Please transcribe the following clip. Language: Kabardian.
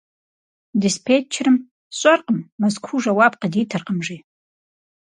Диспетчерым: «СщӀэркъым, Мэзкуу жэуап къыдитыркъым», - жи.